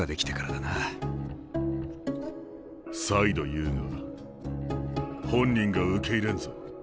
再度言うが本人が受け入れんぞ。